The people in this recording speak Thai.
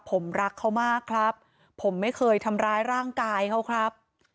ผมรักเขามากครับผมไม่เคยทำร้ายร่างกายเขาครับ